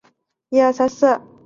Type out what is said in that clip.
最好是给我在星期五早上